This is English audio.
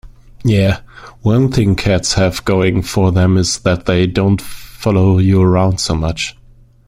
Yeah, one thing cats have going for them is that they don't follow you around so much.